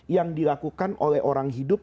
yang dilakukan oleh orang hidup